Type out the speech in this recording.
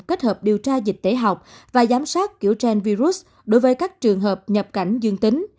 kết hợp điều tra dịch tễ học và giám sát kiểu gen virus đối với các trường hợp nhập cảnh dương tính